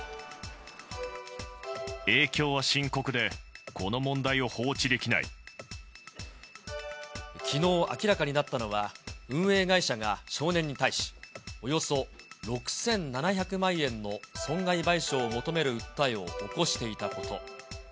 影響は深刻で、この問題を放きのう、明らかになったのは、運営会社が少年に対し、およそ６７００万円の損害賠償を求める訴えを起こしていたこと。